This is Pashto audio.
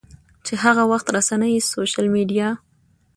چې هغه وخت رسنۍ، سوشل میډیا